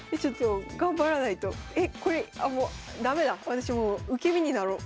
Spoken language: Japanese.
私もう受け身になろう。